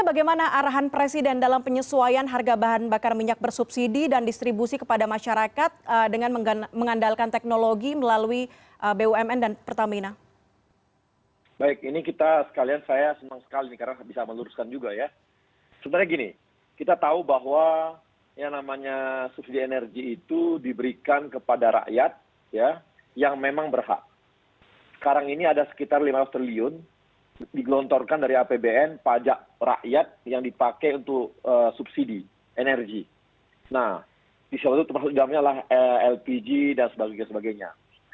bagaimana cara anda membuat teknologi melalui bumn dan pertamina